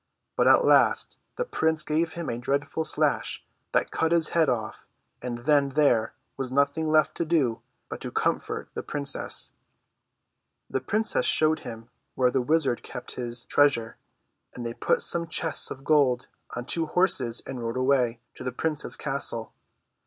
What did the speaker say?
But at last the prince gave him a dreadful slash that cut his head off, and then there was nothing left to do but to com fort the princess. The princess showed him where the wizard kept his THE ALPHABET TREE. 51 treasure, and they put some chests of gold on t\¥o horses and rode away to the prince's castle.